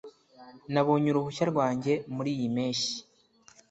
Nabonye uruhushya rwanjye muriyi mpeshyi